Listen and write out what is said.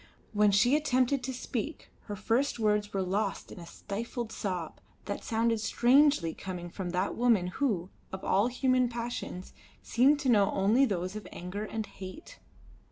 When she attempted to speak her first words were lost in a stifled sob that sounded strangely coming from that woman who, of all human passions, seemed to know only those of anger and hate.